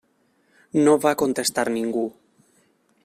No va contestar ningú.